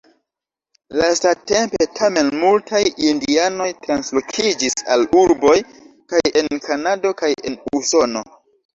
Lastatempe tamen multaj indianoj translokiĝis al urboj, kaj en Kanado, kaj en Usono.